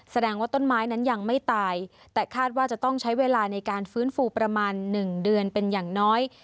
แสดงว่าต้นไม้นั้นยังไม่ตายแต่คาดว่าจะต้องใช้เวลาในการฟื้นฟูประมาณหนึ่งเดือนเป็นอย่างน้อย